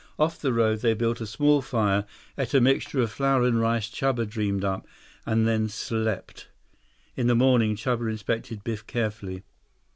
Off the road, they built a small fire, ate a mixture of flour and rice Chuba dreamed up, and then slept. In the morning, Chuba inspected Biff carefully.